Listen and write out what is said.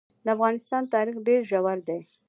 د افغانستان تاریخ ډېر ژور دی.